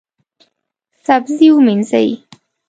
سبزي ومینځئ